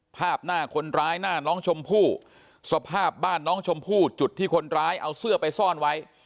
ภาพหน้าคนร้ายหน้าน้องชมพู่สภาพบ้านน้องชมพู่จุดที่คนร้ายเอาเสื้อไปซ่อนไว้